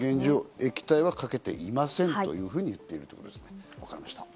液体はかけていませんと言っているわけですね。